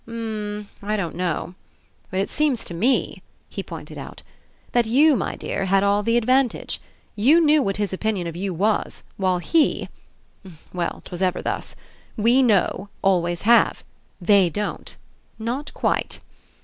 "U mm, I don't know. But it seems to me," he pointed out, "that you, my dear, had all the advantage. You knew what his opinion of you was, while he — Well, 'twas ever thus. We know, always have. They don't. Not quite.